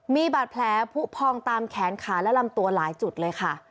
มีบาดแผลผู้พองตามแขนขาและลำตัวหลายจุดเลยค่ะ